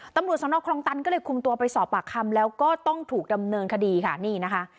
ตำรวจสนคลองตันก็เลยคุมตัวไปสอบปากคำแล้วก็ต้องถูกดำเนินคดีค่ะนี่นะคะ